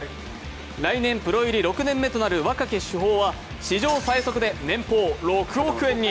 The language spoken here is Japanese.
来年プロ入り６年目となる若き主砲は史上最速で史上最速で年俸６億円に。